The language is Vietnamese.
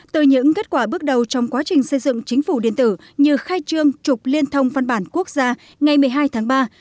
từ những kết quả bước đầu trong quá trình xây dựng chính phủ điện tử như khai trương trục liên thông văn bản quốc gia ngày một mươi hai tháng ba